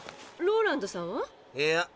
ローランドさんは？いや。